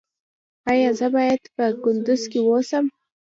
ایا زه باید په کندز کې اوسم؟